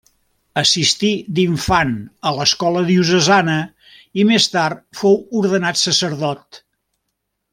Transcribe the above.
Assistí d'infant a l'escola diocesana i més tard fou ordenat sacerdot.